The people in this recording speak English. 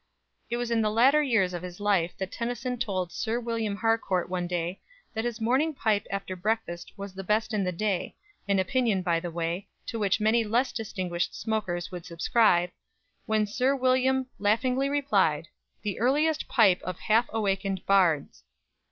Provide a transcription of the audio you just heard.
It was in the latter years of his life that Tennyson told Sir William Harcourt one day that his morning pipe after breakfast was the best in the day an opinion, by the way, to which many less distinguished smokers would subscribe when Sir William laughingly replied, "The earliest pipe of half awakened bards."